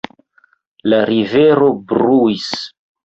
La rivero bruis.